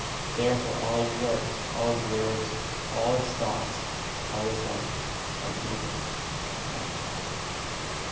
Therefore all his works, all his words, all his thoughts, all his life are evil and not godly.